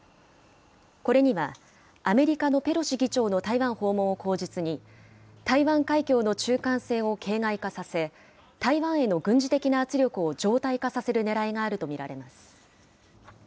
これには、アメリカのペロシ議長の台湾訪問を口実に、台湾海峡の中間線を形骸化させ、台湾への軍事的な圧力を常態化させるねらいがあると見られます。